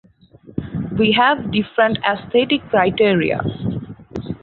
We have different aesthetic criteria.